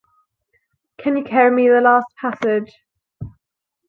Can you carry me the last passage?